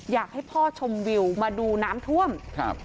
อยากให้พ่อชมวิวมาดูน้ำท่วมครับ